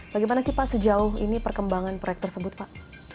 bagaimana sih pak sejauh ini perkembangan proyek tersebut pak